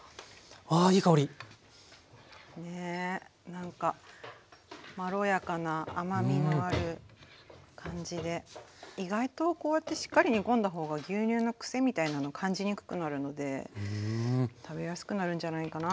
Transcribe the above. なんかまろやかな甘みのある感じで意外とこうやってしっかり煮込んだ方が牛乳のくせみたいなの感じにくくなるので食べやすくなるんじゃないかなぁ。